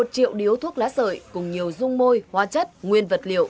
một triệu điếu thuốc lá sợi cùng nhiều dung môi hoa chất nguyên vật liệu